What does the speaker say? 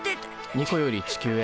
ニコより地球へ。